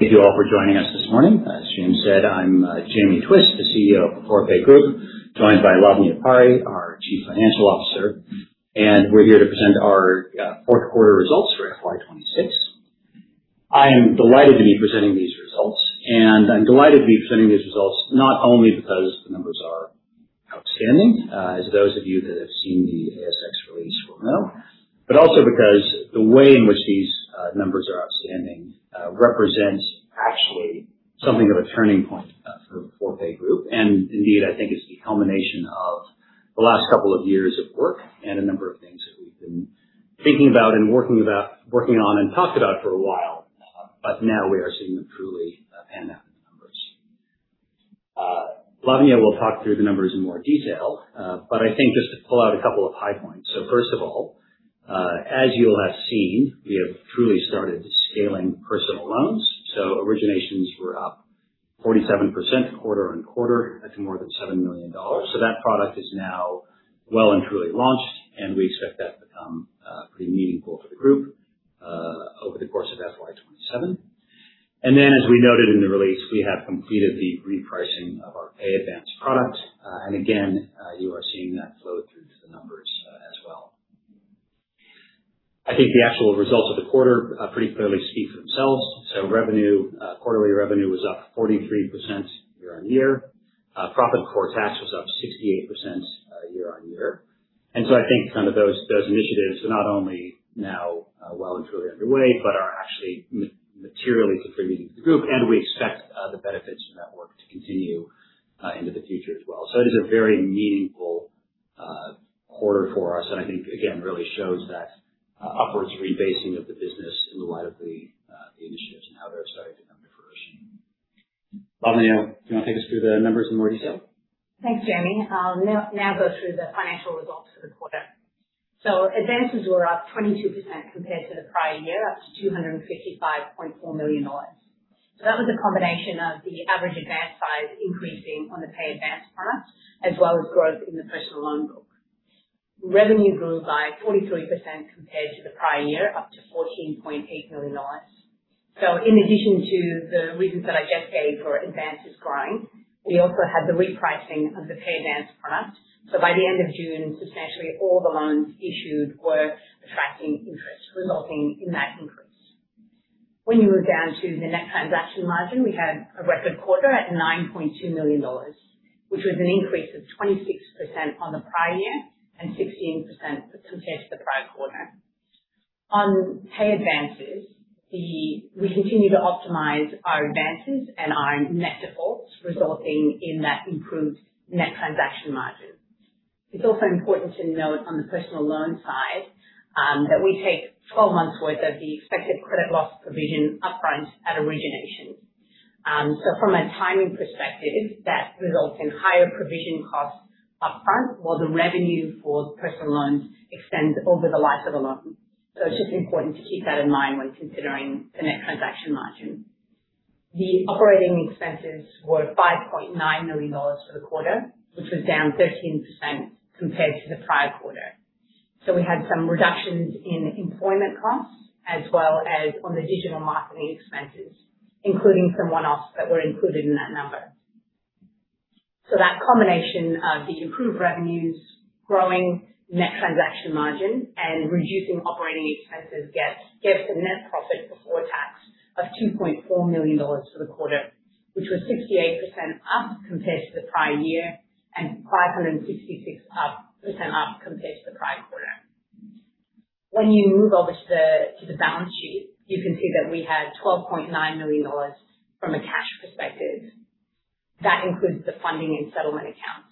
Thank you all for joining us this morning. As Jamie said, I am Jamie Twiss, the Chief Executive Officer of Beforepay Group, joined by Laavanya Pari, our Chief Financial Officer, and we are here to present our fourth quarter results for FY 2026. I am delighted to be presenting these results, and I am delighted to be presenting these results not only because the numbers are outstanding, as those of you that have seen the ASX release will know, but also because the way in which these numbers are outstanding represents actually something of a turning point for Beforepay Group. Indeed, I think it is the culmination of the last couple of years of work and a number of things that we have been thinking about and working on and talked about for a while, but now we are seeing them truly pan out in the numbers. Laavanya will talk through the numbers in more detail. I think just to call out a couple of high points. First of all, as you will have seen, we have truly started scaling personal loans. Originations were up 47% quarter-on-quarter up to more than 7 million dollars. That product is now well and truly launched, and we expect that to become pretty meaningful for the group over the course of FY 2027. Then as we noted in the release, we have completed the repricing of our Pay Advance product. Again, you are seeing that flow through to the numbers as well. I think the actual results of the quarter pretty clearly speak for themselves. Quarterly revenue was up 43% year-on-year. Profit before tax was up 68% year-on-year. I think those initiatives are not only now well and truly underway, but are actually materially contributing to the group and we expect the benefits from that work to continue into the future as well. It is a very meaningful quarter for us. I think, again, really shows that upwards rebasing of the business in light of the initiatives and how they are starting to come to fruition. Laavanya, do you want to take us through the numbers in more detail? Thanks, Jamie. I will now go through the financial results for the quarter. Advances were up 22% compared to the prior year, up to 255.4 million dollars. That was a combination of the average advance size increasing on the Pay Advance product, as well as growth in the personal loan book. Revenue grew by 43% compared to the prior year, up to 14.8 million dollars. In addition to the reasons that I just gave for advances growing, we also had the repricing of the Pay Advance product. By the end of June, substantially all the loans issued were attracting interest, resulting in that increase. When you move down to the net transaction margin, we had a record quarter at 9.2 million dollars, which was an increase of 26% on the prior year and 16% compared to the prior quarter. On Pay Advances, we continue to optimize our advances and our net defaults, resulting in that improved net transaction margin. It's also important to note on the personal loan side, that we take 12 months worth of the expected credit loss provision upfront at origination. From a timing perspective, that results in higher provision costs upfront, while the revenue for personal loans extends over the life of the loan. It's just important to keep that in mind when considering the net transaction margin. The operating expenses were 5.9 million dollars for the quarter, which was down 13% compared to the prior quarter. We had some reductions in employment costs as well as on the digital marketing expenses, including some one-offs that were included in that number. That combination of the improved revenues, growing net transaction margin, and reducing operating expenses gave the net profit before tax of 2.4 million dollars for the quarter, which was 68% up compared to the prior year and 566% up compared to the prior quarter. You can see that we had 12.9 million dollars from a cash perspective. That includes the funding and settlement accounts.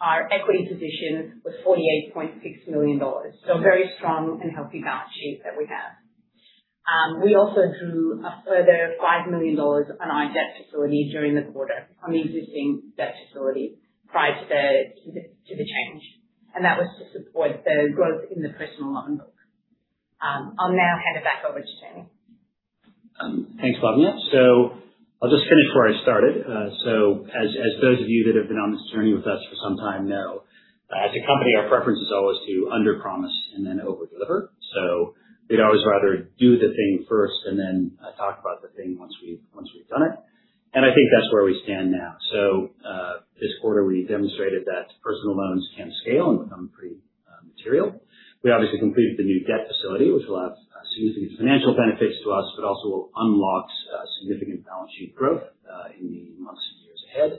Our equity position was 48.6 million dollars. A very strong and healthy balance sheet that we have. We also drew a further 5 million dollars on our debt facility during the quarter, on the existing debt facility prior to the change. That was to support the growth in the personal loan book. I'll now hand it back over to Jamie. Thanks, Laavanya. I'll just finish where I started. As those of you that have been on this journey with us for some time know, as a company, our preference is always to underpromise and then overdeliver. We'd always rather do the thing first and then talk about the thing once we've done it. I think that's where we stand now. This quarter, we demonstrated that personal loans can scale and become pretty material. We obviously completed the new debt facility, which will have significant financial benefits to us, but also will unlock significant balance sheet growth, in the months and years ahead.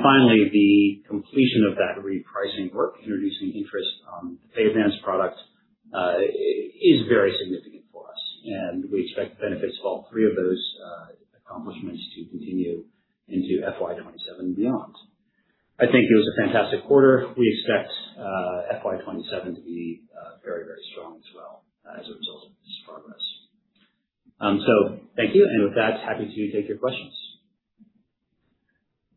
Finally, the completion of that repricing work, introducing interest on the Pay Advance product, is very significant for us, and we expect the benefits of all three of those accomplishments to continue into FY 2027 and beyond. I think it was a fantastic quarter. We expect FY27 to be very, very strong as well, as a result of this progress. Thank you, and with that, happy to take your questions.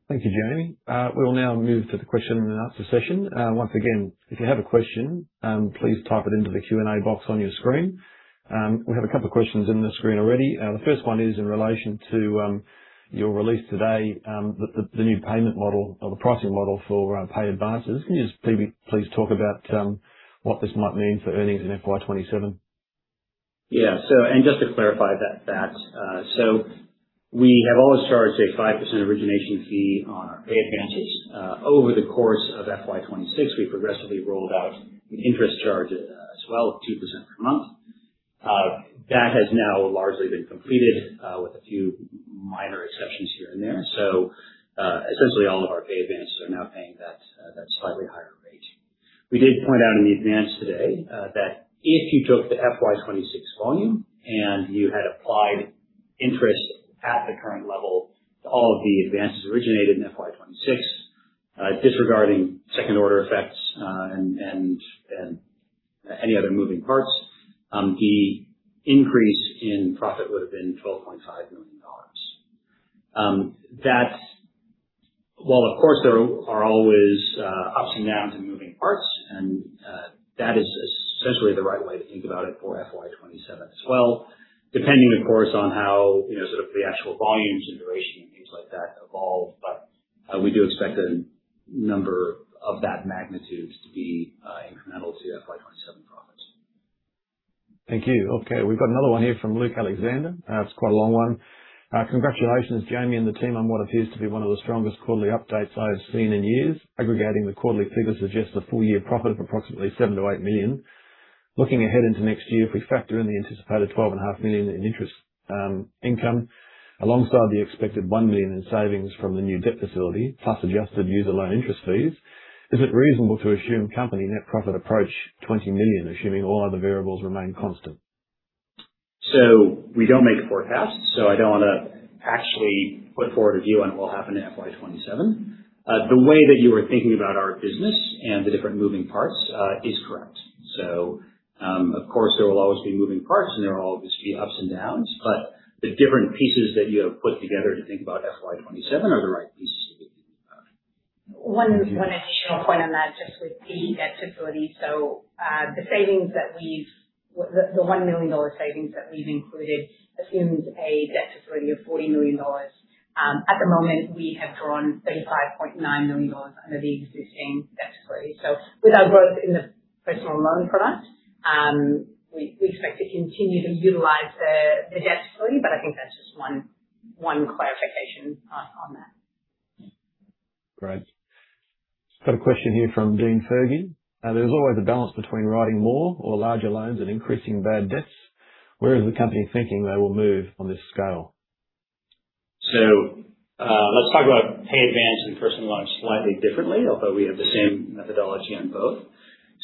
Thank you, Jamie. We will now move to the question and answer session. Once again, if you have a question, please type it into the Q&A box on your screen. We have a couple of questions in the screen already. The first one is in relation to Your release today, the new payment model or the pricing model for Pay Advances. Can you just please talk about what this might mean for earnings in FY27? Yeah. Just to clarify that, we have always charged a 5% origination fee on our Pay Advances. Over the course of FY26, we progressively rolled out an interest charge as well of 2% per month. That has now largely been completed, with a few minor exceptions here and there. Essentially all of our Pay Advances are now paying that slightly higher rate. We did point out in the advance today that if you took the FY26 volume and you had applied interest at the current level to all of the advances originated in FY26, disregarding second order effects and any other moving parts, the increase in profit would have been 12.5 million dollars. While of course there are always ups and downs and moving parts, and that is essentially the right way to think about it for FY27 as well, depending, of course, on how the actual volumes and duration and things like that evolve. We do expect a number of that magnitude to be incremental to FY27 profits. Thank you. We've got another one here from Luke Alexander. It's quite a long one. "Congratulations, Jamie and the team, on what appears to be one of the strongest quarterly updates I have seen in years. Aggregating the quarterly figures suggests a full year profit of approximately 7 million-8 million. Looking ahead into next year, if we factor in the anticipated 12.5 million in interest income, alongside the expected 1 million in savings from the new debt facility, plus adjusted user loan interest fees, is it reasonable to assume company net profit approach 20 million, assuming all other variables remain constant? We don't make a forecast, I don't want to actually put forward a view on what will happen in FY 2027. The way that you are thinking about our business and the different moving parts is correct. Of course, there will always be moving parts and there will always be ups and downs, but the different pieces that you have put together to think about FY 2027 are the right pieces. One additional point on that, just with the debt facility. The 1 million dollar savings that we've included assumes a debt facility of 40 million dollars. At the moment, we have drawn 35.9 million dollars under the existing debt facility. With our growth in the personal loan product, we expect to continue to utilize the debt facility. I think that's just one clarification on that. Great. Got a question here from Dean Fergie. "There's always a balance between writing more or larger loans and increasing bad debts. Where is the company thinking they will move on this scale? Let's talk about Pay Advance and personal loans slightly differently, although we have the same methodology on both.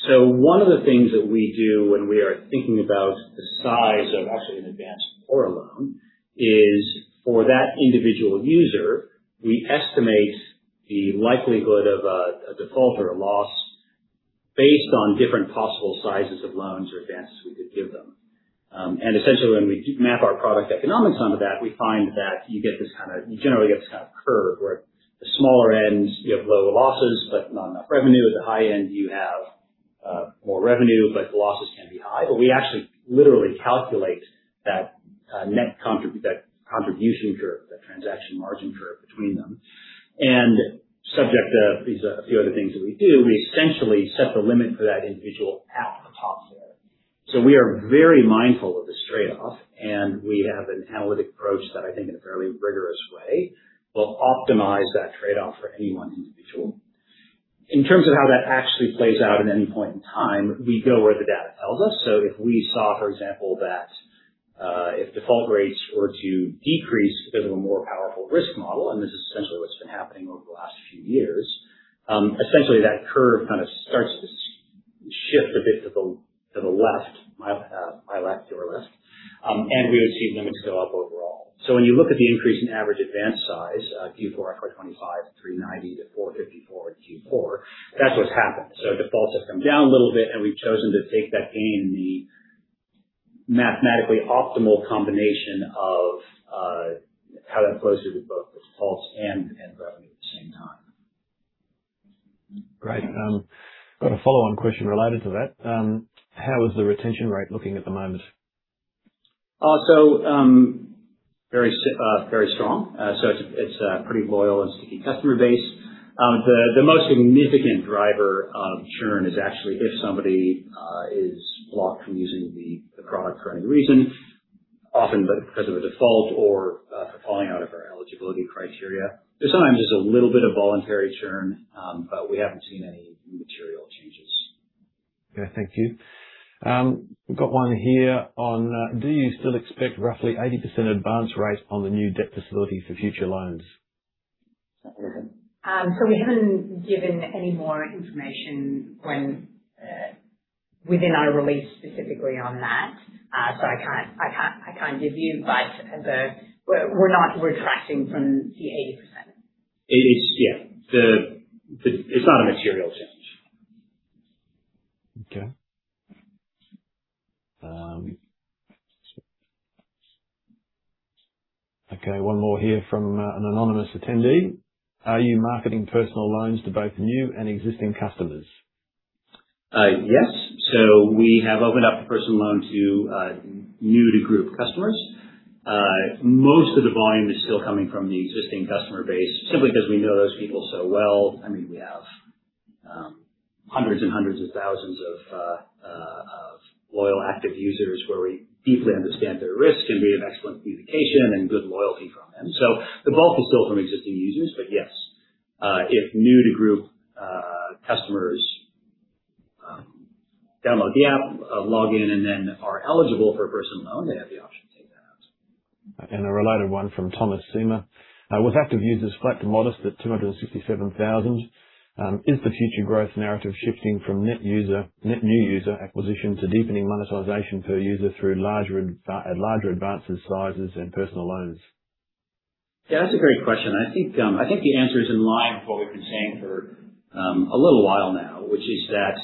One of the things that we do when we are thinking about the size of actually an advance or a loan is for that individual user, we estimate the likelihood of a default or a loss based on different possible sizes of loans or advances we could give them. Essentially, when we map our product economics onto that, we find that you generally get this kind of curve where at the smaller end you have low losses but not enough revenue. At the high end, you have more revenue, but the losses can be high. We actually literally calculate that contribution curve, that transaction margin curve between them. Subject to a few other things that we do, we essentially set the limit for that individual at the top there. We are very mindful of this trade-off, and we have an analytic approach that I think in a fairly rigorous way will optimize that trade-off for any one individual. In terms of how that actually plays out at any point in time, we go where the data tells us. If we saw, for example, that if default rates were to decrease because of a more powerful risk model, and this is essentially what's been happening over the last few years, essentially that curve kind of starts to shift a bit to the left, my left, your right, and we would see limits go up overall. When you look at the increase in average advance size, Q4 FY 2025 at 390 to 454 at Q4, that's what's happened. Defaults have come down a little bit and we've chosen to take that gain in the mathematically optimal combination of how that closes with both defaults and revenue at the same time. Great. I've got a follow-on question related to that. How is the retention rate looking at the moment? Very strong. It's a pretty loyal and sticky customer base. The most significant driver of churn is actually if somebody is blocked from using the product for any reason, often because of a default or for falling out of our eligibility criteria. There's sometimes just a little bit of voluntary churn, but we haven't seen any material changes. Okay, thank you. Got one here on, "Do you still expect roughly 80% advance rate on the new debt facility for future loans? We haven't given any more information within our release specifically on that. I can't give you, but we're not retracting from the 80%. Yeah. It's not a material change. Okay, one more here from an anonymous attendee. "Are you marketing personal loans to both new and existing customers? Yes. We have opened up the personal loan to new-to-group customers. Most of the volume is still coming from the existing customer base, simply because we know those people so well. We have hundreds of thousands of loyal, active users where we deeply understand their risk and rate of excellent communication and good loyalty from them. The bulk is still from existing users. Yes, if new-to-group customers download the app, log in, and then are eligible for a personal loan, they have the option to take that out. A related one from Thomas Sema. With active users flat to modest at 267,000, is the future growth narrative shifting from net new user acquisition to deepening monetization per user through larger advances sizes and personal loans? That's a great question. I think the answer is in line with what we've been saying for a little while now, which is that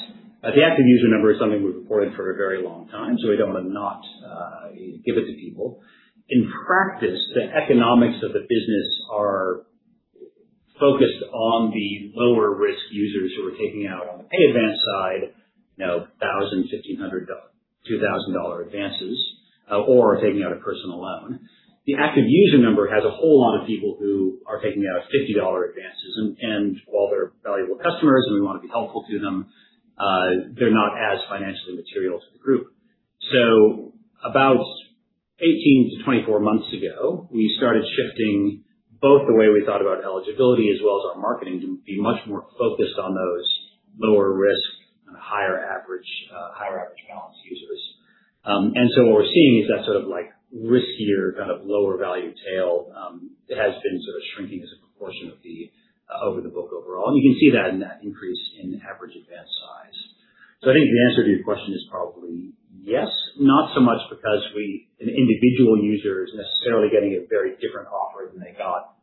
the active user number is something we've reported for a very long time, we don't want to not give it to people. In practice, the economics of the business are focused on the lower-risk users who are taking out on the Pay Advance side, now 1,000, 1,500, 2,000 dollar advances, or are taking out a personal loan. The active user number has a whole lot of people who are taking out 50 dollar advances. While they're valuable customers and we want to be helpful to them, they're not as financially material to the group. About 18 to 24 months ago, we started shifting both the way we thought about eligibility as well as our marketing to be much more focused on those lower risk and higher average balance users. What we're seeing is that riskier, lower value tail has been shrinking as a proportion of the over the book overall. You can see that in that increase in average advance size. I think the answer to your question is probably yes, not so much because we, an individual user, is necessarily getting a very different offer than they got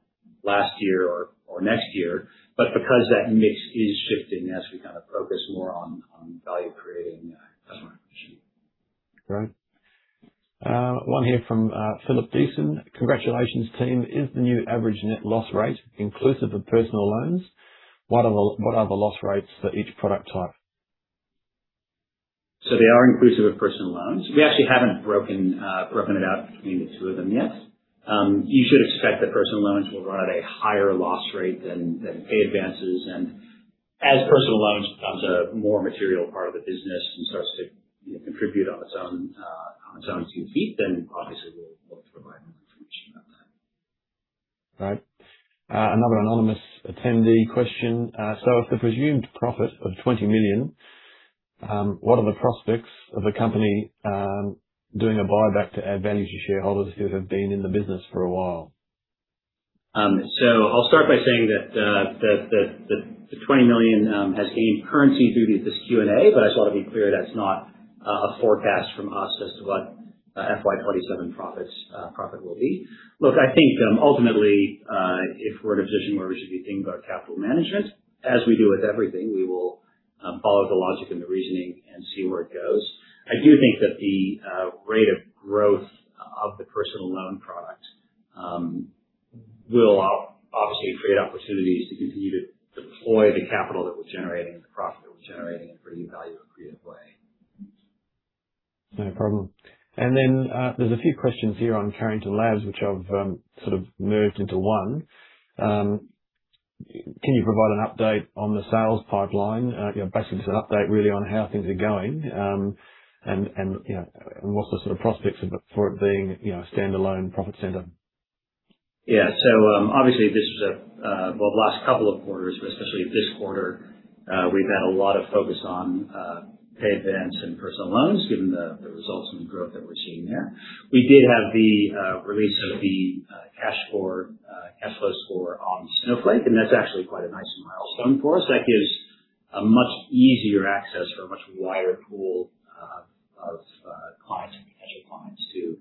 last year or next year, but because that mix is shifting as we focus more on value-creating customer acquisition. Great. One here from Philip Deason. Congratulations, team. Is the new average net loss rate inclusive of personal loans? What are the loss rates for each product type? They are inclusive of personal loans. We actually haven't broken it out between the two of them yet. You should expect that personal loans will run at a higher loss rate than Pay Advances. As personal loans becomes a more material part of the business and starts to contribute on its own two feet, then obviously we'll look to provide more information about that. Right. Another anonymous attendee question. If the presumed profit of 20 million, what are the prospects of the company doing a buyback to add value to shareholders who have been in the business for a while? I'll start by saying that the 20 million has gained currency through this Q&A, I just want to be clear, that's not a forecast from us as to what FY 2027 profit will be. I think ultimately, if we're in a position where we should be thinking about capital management, as we do with everything, we will follow the logic and the reasoning and see where it goes. I do think that the rate of growth of the personal loan product will obviously create opportunities to continue to deploy the capital that we're generating, the profit that we're generating in a pretty value creative way. No problem. Then there's a few questions here on Carrington Labs which I've sort of merged into one. Can you provide an update on the sales pipeline? Basically, just an update really on how things are going. What's the sort of prospects for it being a standalone profit center? Obviously this was, well, the last couple of quarters, especially this quarter, we've had a lot of focus on Pay Advance and personal loans, given the results and the growth that we're seeing there. We did have the release of the Cashflow Score on Snowflake, that's actually quite a nice milestone for us. That gives a much easier access for a much wider pool of clients and potential clients to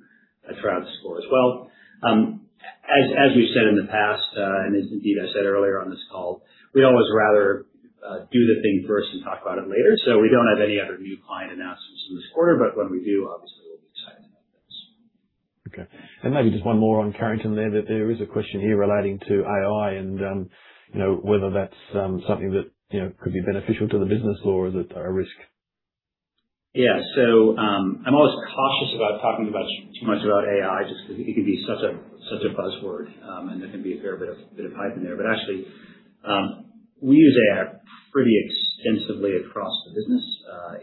try out the score as well. As we've said in the past, as indeed I said earlier on this call, we'd always rather do the thing first and talk about it later. We don't have any other new client announcements from this quarter, when we do, obviously we'll be excited about those. Maybe just one more on Carrington there, that there is a question here relating to AI and whether that's something that could be beneficial to the business or is it a risk? Yeah. I'm always cautious about talking too much about AI, just because it can be such a buzzword, and there can be a fair bit of hype in there. Actually, we use AI pretty extensively across the business.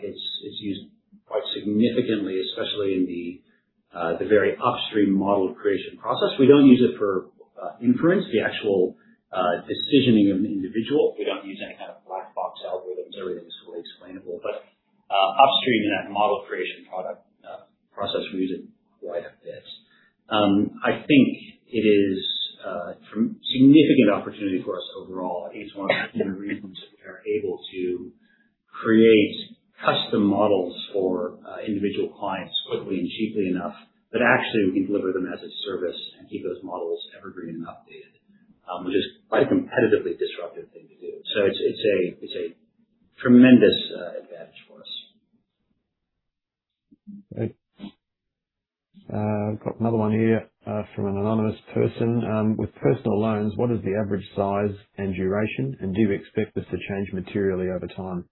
It's used quite significantly, especially in the very upstream model creation process. We don't use it for inference, the actual decisioning of an individual. We don't use any kind of black box algorithms. Everything is fully explainable. Upstream in that model creation product process, we use it quite a bit. I think it is a significant opportunity for us overall. It's one of the many reasons that we are able to create custom models for individual clients quickly and cheaply enough that actually we can deliver them as a service and keep those models evergreen and updated, which is quite a competitively disruptive thing to do. It's a tremendous advantage for us Great. I've got another one here from an anonymous person. "With personal loans, what is the average size and duration, and do you expect this to change materially over time?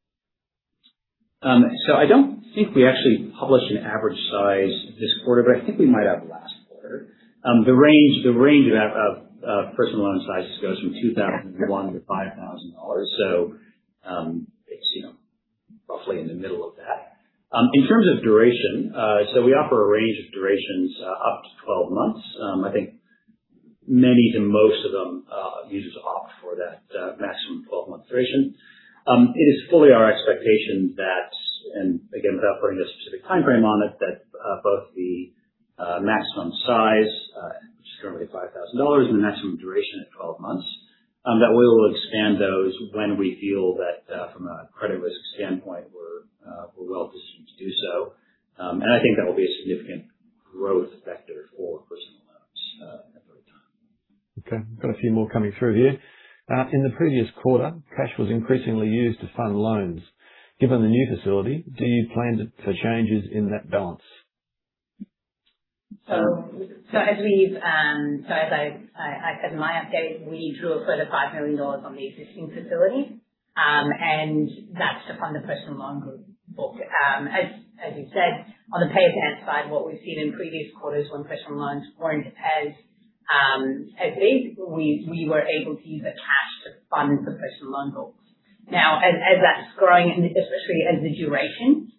I don't think we actually published an average size this quarter, but I think we might have last quarter. The range of personal loan sizes goes from 2,001 to 5,000 dollars. It's roughly in the middle of that. In terms of duration, we offer a range of durations up to 12 months. I think many to most of the users opt for that maximum 12-month duration. It is fully our expectation that, and again, without putting a specific timeframe on it, that both the maximum size, which is currently 5,000 dollars, and the maximum duration at 12 months, that we will expand those when we feel that, from a credit risk standpoint, we're well-positioned to do so. I think that will be a significant growth vector for personal loans at the right time. Okay. Got a few more coming through here. "In the previous quarter, cash was increasingly used to fund loans. Given the new facility, do you plan for changes in that balance? As I said in my update, we drew a further 5 million dollars on the existing facility, that's to fund the personal loan group book. As you said, on the Pay Advance side, what we've seen in previous quarters when personal loans growing, at least we were able to use the cash to fund the personal loan books. As that's growing, especially as the duration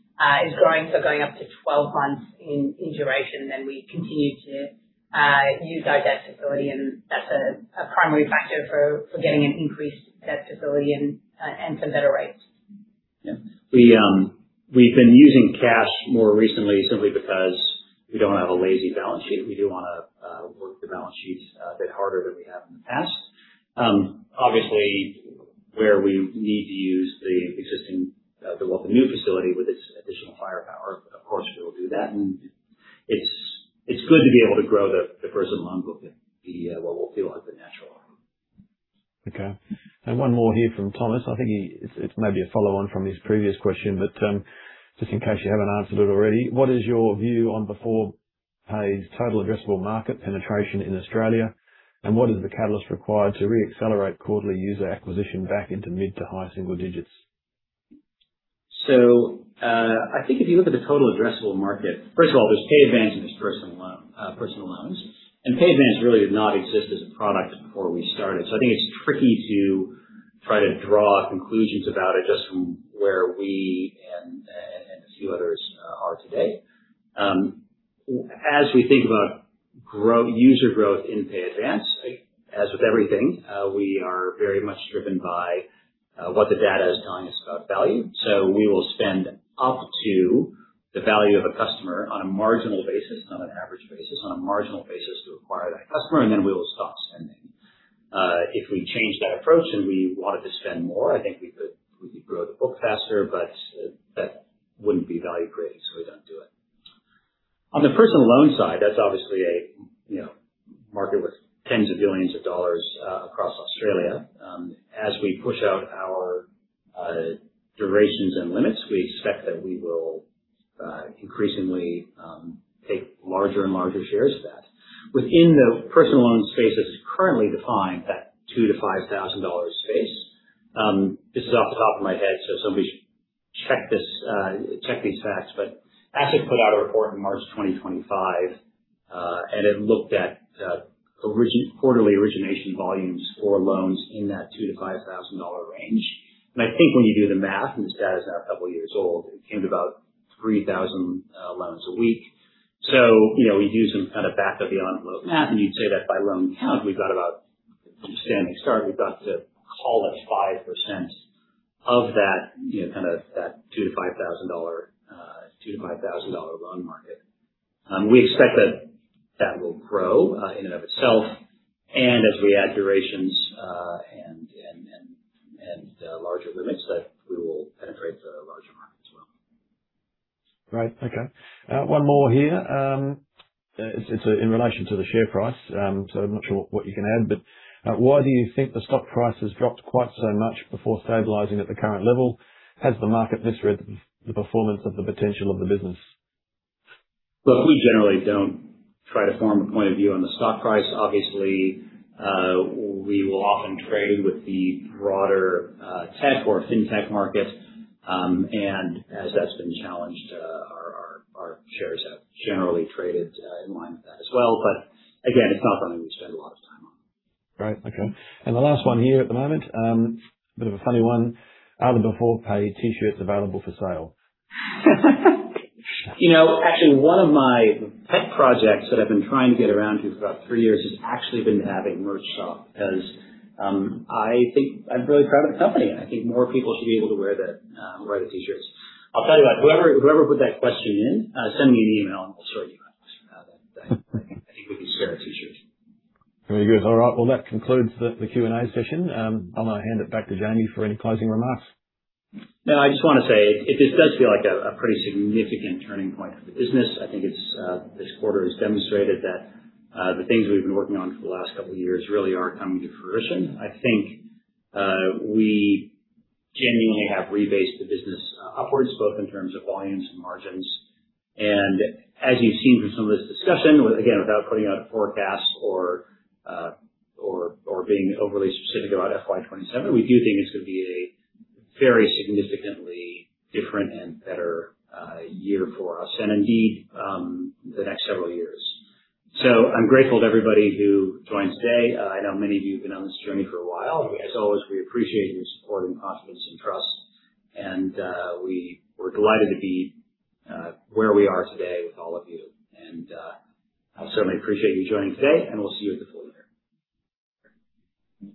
is growing, going up to 12 months in duration, we continue to use our debt facility, that's a primary factor for getting an increased debt facility and some better rates. Yeah. We've been using cash more recently simply because we don't have a lazy balance sheet. We do wanna work the balance sheet a bit harder than we have in the past. Obviously, where we need to use the new facility with its additional firepower, of course, we will do that. It's good to be able to grow the personal loan book at what we feel like the natural rate. Okay. One more here from Thomas. I think it's maybe a follow-on from his previous question, just in case you haven't answered it already, "What is your view on Beforepay's total addressable market penetration in Australia, and what is the catalyst required to re-accelerate quarterly user acquisition back into mid to high single digits? I think if you look at the total addressable market, first of all, there's Pay Advance and there's personal loans. Pay Advance really did not exist as a product before we started. I think it's tricky to try to draw conclusions about it just from where we and a few others are today. As we think about user growth in Pay Advance, as with everything, we are very much driven by what the data is telling us about value. We will spend up to the value of a customer on a marginal basis, not an average basis, on a marginal basis to acquire that customer, and then we will stop spending. If we change that approach and we wanted to spend more, I think we could grow the book faster, but that wouldn't be value-creating, we don't do it. On the personal loan side, that's obviously a market with tens of billions of AUD across Australia. As we push out our durations and limits, we expect that we will increasingly take larger and larger shares of that. Within the personal loan space that's currently defined, that 2,000-5,000 dollars space, this is off the top of my head, somebody should check these facts, but ASIC put out a report in March 2025, it looked at quarterly origination volumes for loans in that 2,000-5,000 dollar range. I think when you do the math, and this data's now a couple of years old, it came to about 3,000 loans a week. We do some kind of back of the envelope math and you'd say that by loan count, we've got about, standing start, we've got to call it 5% of that 2,000-5,000 dollar loan market. We expect that that will grow in and of itself and as we add durations, and larger limits, that we will penetrate the larger market as well. Great. Okay. One more here. It's in relation to the share price. I'm not sure what you can add, but, "Why do you think the stock price has dropped quite so much before stabilizing at the current level? Has the market misread the performance of the potential of the business? Look, we generally don't try to form a point of view on the stock price. Obviously, we will often trade with the broader tech or fintech market. As that's been challenged, our shares have generally traded in line with that as well. Again, it's not something we spend a lot of time on. Great. Okay. The last one here at the moment, bit of a funny one. "Are the Beforepay T-shirts available for sale? Actually, one of my pet projects that I've been trying to get around to for about three years has actually been to have a merch shop because I'm really proud of the company, and I think more people should be able to wear the T-shirts. I'll tell you what, whoever put that question in, send me an email and I'll sort you out. I think we can square a T-shirt. Very good. All right. Well, that concludes the Q&A session. I'm gonna hand it back to Jamie for any closing remarks. No, I just wanna say, this does feel like a pretty significant turning point for the business. I think this quarter has demonstrated that the things we've been working on for the last couple of years really are coming to fruition. I think we genuinely have rebased the business upwards, both in terms of volumes and margins. As you've seen from some of this discussion, again, without putting out a forecast or being overly specific about FY 2027, we do think it's going to be a very significantly different and better year for us, and indeed, the next several years. I'm grateful to everybody who joined today. I know many of you have been on this journey for a while. As always, we appreciate your support and confidence and trust, and we're delighted to be where we are today with all of you. I certainly appreciate you joining today, and we'll see you at the full year.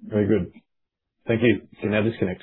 Very good. Thank you. You can now disconnect.